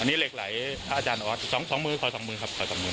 อันนี้เหล็กไหลอาจารย์ออส๒มือคอย๒มือค่ะ